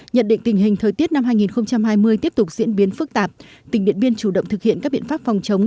nhận định tình hình thời tiết năm hai nghìn hai mươi tiếp tục diễn biến phức tạp tỉnh điện biên chủ động thực hiện các biện pháp phòng chống